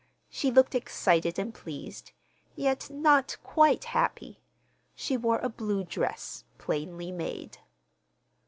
She looked excited and pleased, yet not quite happy. She wore a blue dress, plainly made.